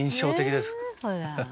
ほら。